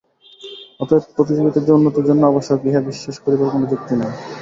অতএব প্রতিযোগিতা যে উন্নতির জন্য আবশ্যক, ইহা বিশ্বাস করিবার কোন যুক্তি নাই।